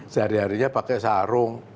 sehari harinya pakai sarung